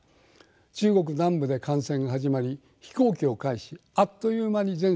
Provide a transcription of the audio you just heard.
中国南部で感染が始まり飛行機を介しあっという間に全世界に広がりました。